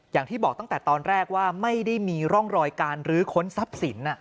อย่างที่บอกตั้งแต่ตอนแรกว่าไม่ได้มีร่องรอยการรื้อค้นทรัพย์สิน